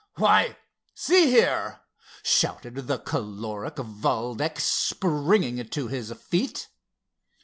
"Why! see here!" shouted the choleric Valdec, springing to his feet.